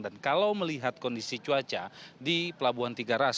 dan kalau melihat kondisi cuaca di pelabuhan tiga ras